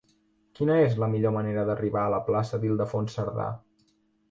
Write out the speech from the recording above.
Quina és la millor manera d'arribar a la plaça d'Ildefons Cerdà?